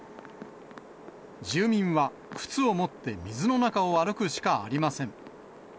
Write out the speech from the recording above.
住民は、靴を持って水の中を歩くしかありません。